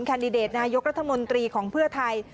แดดิเดตนายกรัฐมนตรีของเพื่อไทย